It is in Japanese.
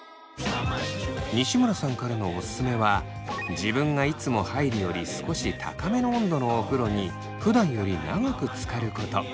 西村さんからのオススメは自分がいつも入るより少し高めの温度のお風呂にふだんより長くつかること。